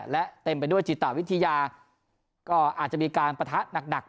และเต็มไปด้วยจิตวิทยาก็อาจจะมีการปะทะหนัก